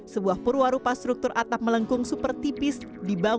sebuah perwarupa struktur atap melengkung super tipis dibangun menggunakan semen beton bertulak